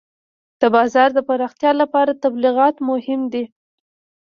د بازار د پراختیا لپاره تبلیغات مهم دي.